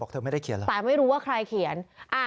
แต่ไม่รู้ว่าใครเขียน